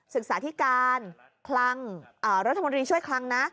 ศึกษาธิการคลังรัฐมนตรีช่วยคลังนะ